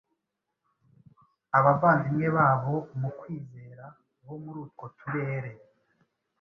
abavandimwe babo mu kwizera bo muri utwo turere